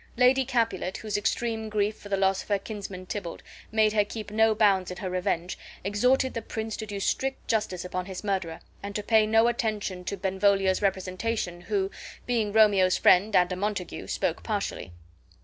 Lady Capulet, whose extreme grief for the loss of her kinsman Tybalt made her keep no bounds in her revenge, exhorted the prince to do strict justice upon his murderer, and to, pay no attention to Benvolio's representation, who, being Romeo's friend and a Montague, spoke partially.